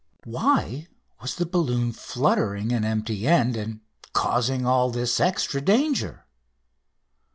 Why was the balloon fluttering an empty end and causing all this extra danger?